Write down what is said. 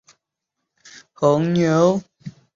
沃沙西。